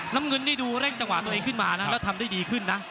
น้ำเงินนี่ดูเร่งจังหวะตัวเองขึ้นมานะแล้วทำได้ดีขึ้นนะ